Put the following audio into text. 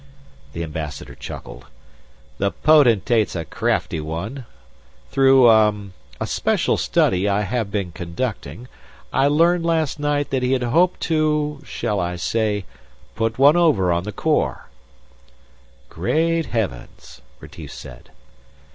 The Ambassador chuckled. "The Potentate's a crafty one. Through ... ah ... a special study I have been conducting, I learned last night that he had hoped to, shall I say, 'put one over' on the Corps." "Great heavens," Retief said.